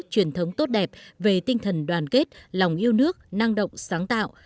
truyền thống tốt đẹp về tinh thần đoàn kết lòng yêu nước năng động sáng tạo